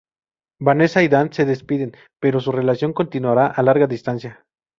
Vanessa y Dan se despiden, pero su relación continuará a larga distancia.